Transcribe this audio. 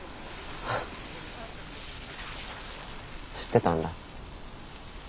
知ってたんだ。